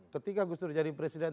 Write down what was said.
ketika gus dur jadi presiden